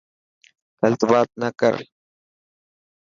گلت بات نه ڪر.